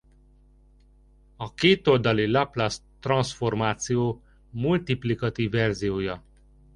A kétoldali Laplace-transzformáció multiplikatív verziója.